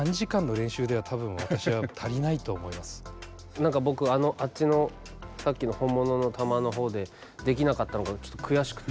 何か僕あっちのさっきの本物の球の方でできなかったのがちょっと悔しくて。